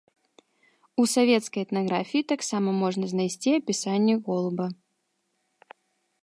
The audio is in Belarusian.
У савецкай этнаграфіі таксама можна знайсці апісанне голуба.